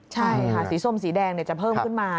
ใช่ค่ะสีส้มสีแดงจะเพิ่มขึ้นมา